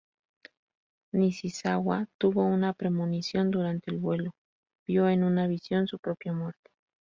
Nishizawa tuvo una premonición durante el vuelo; vio en una visión su propia muerte.